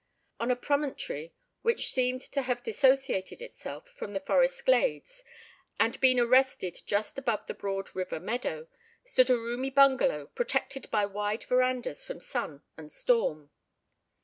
On a promontory which seemed to have dissociated itself from the forest glades, and been arrested just above the broad river meadow, stood a roomy bungalow protected by wide verandahs from sun and storm.